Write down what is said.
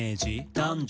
「男女？